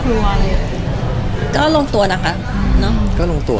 ก็เป็นอีกประสบการณ์หนึ่งสำหรับการชมภาพยนตร์ที่ระบบดีแล้วก็นอนสบายด้วยค่ะ